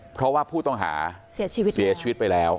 เพราะว่าผู้ต้องหาเสียชีวิตไปแล้ว